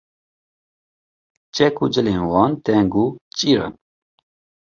Çek û cilên wan teng û çîr in